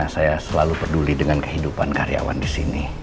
saya selalu peduli dengan kehidupan karyawan disini